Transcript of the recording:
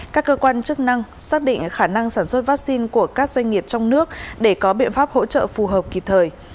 các cơ quan chức năng xác định khả năng sản xuất vaccine của các doanh nghiệp trong nước để có biện pháp hỗ trợ phù hợp kịp thời